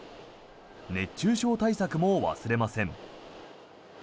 熱中症対策も忘れません。